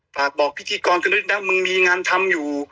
ฝากบอกพิธีกรมึงมีงานทำอยู่